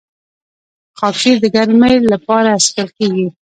خاکشیر د ګرمۍ لپاره څښل کیږي.